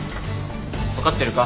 分かってるか？